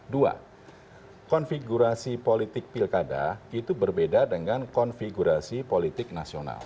dua konfigurasi politik pilkada itu berbeda dengan konfigurasi politik nasional